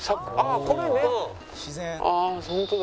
ああホントだ。